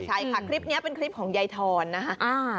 ใช่ค่ะคลิปนี้เป็นคลิปของยายทอนนะคะ